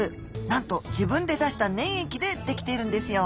なんと自分で出した粘液で出来ているんですよ。